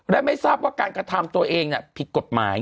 และไม่ทราบว่าการกระทำตัวเองผิดกฎหมาย